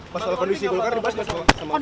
masalah kondisi golkar dibahas sama pak